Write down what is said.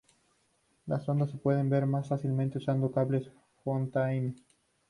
Las ondas se pueden ver más fácilmente usando cables Fontaine.